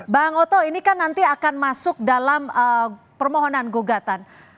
bang oto ini kan nanti akan masuk dalam permohonan gugatan